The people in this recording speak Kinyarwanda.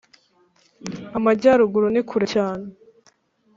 Amajyaruguru ni kure cyane